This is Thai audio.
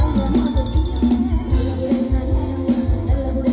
เวลาที่สุดท้าย